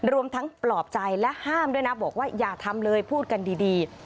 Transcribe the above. รวมทั้งปลอบใจและห้ามด้วยนะบอกว่าอย่าทำเลยพูดกันดี